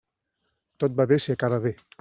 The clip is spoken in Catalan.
Tot va bé si acaba bé.